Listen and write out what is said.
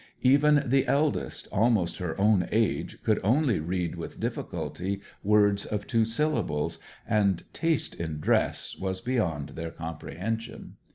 Even the eldest, almost her own age, could only read with difficulty words of two syllables; and taste in dress was beyond their comprehension.